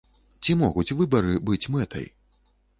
Ці могуць выбары быць мэтай?